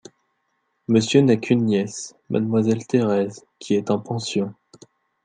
Monsieur n’a qu’une nièce : mademoiselle Thérèse, qui est en pension…